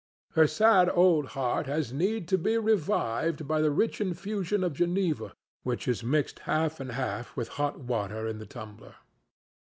Her sad old heart has need to be revived by the rich infusion of Geneva which is mixed half and half with hot water in the tumbler.